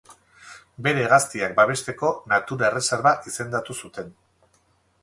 Bere hegaztiak babesteko natura erreserba izendatu zuten.